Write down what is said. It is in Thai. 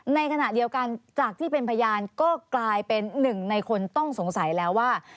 ในขณะเดียวกันจากที่เป็นพยานก็กลายเป็นหนึ่งในคนต้องสงสัยแล้วว่า